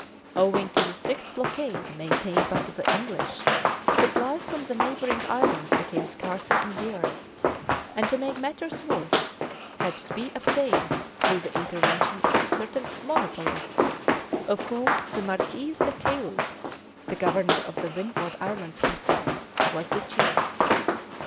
Owing to the strict blockade maintained by the English, supplies from the neighbouring islands became scarcer and dearer; and, to make matters worse, had to be obtained through the intervention of certain monopolists, of whom the Marquis de Caylus, the Governor of the Windward Islands himself, was the chief.